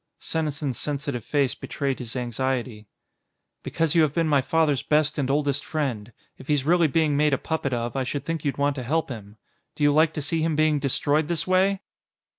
Senesin's sensitive face betrayed his anxiety. "Because you have been my father's best and oldest friend. If he's really being made a puppet of, I should think you'd want to help him. Do you like to see him being destroyed this way?"